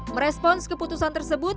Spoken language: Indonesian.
merespons keputusan tersebut